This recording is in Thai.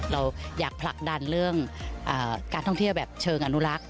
เราอยากผลักดันเรื่องการท่องเที่ยวแบบเชิงอนุลักษณ